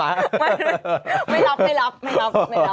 ไม่ไม่รับไม่รับ